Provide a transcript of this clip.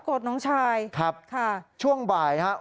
กรดน้องชายค่ะค่ะช่วงบ่ายฮะ